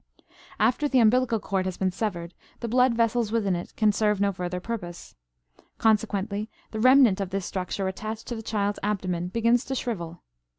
After the umbilical cord has been severed the blood vessels within it can serve no further purpose. Consequently the remnant of this structure attached to the child's abdomen begins to shrivel.